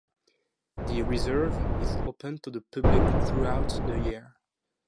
The reserve is open to the public throughout the year.